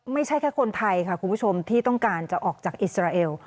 ไม่ใช่แค่คนไทยค่ะคุณผู้ชมที่ต้องการจะออกจากอิสราเอล